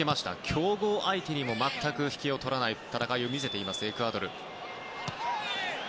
強豪相手にも全く引けを取らない戦いを見せているエクアドル。